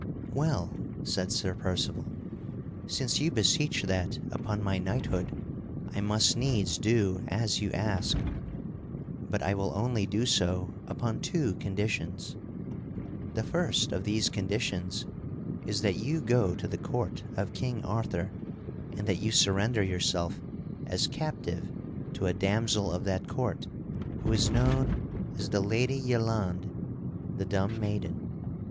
"Well," said Sir Percival, "since you beseech that upon my knighthood I must needs do as you ask. But I will only do so upon two conditions. The first of these conditions is that you go to the court of King Arthur, and that you surrender yourself as captive to a damsel of that court who is known as the Lady Yelande the Dumb Maiden.